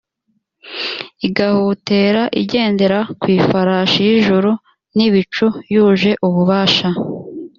igahutera igendera ku ifarasi y’ijuru n’ibicu, yuje ububasha.